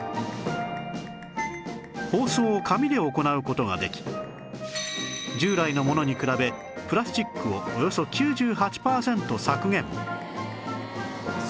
包装を紙で行う事ができ従来のものに比べプラスチックをおよそ９８パーセント削減